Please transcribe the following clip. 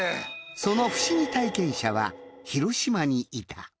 その不思議体験者は広島にいた。